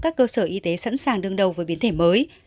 các cơ sở y tế sẵn sàng đương đầu với biến thể mới